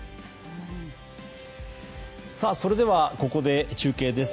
それではここで中継です。